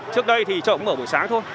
trước đây thì chợ cũng mở buổi sáng thôi